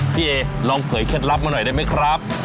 พี่เอลองเผยเคล็ดลับมาหน่อยได้ไหมครับ